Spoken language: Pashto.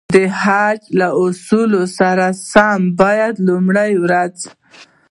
د حج له اصولو سره سم باید لومړی ورځ.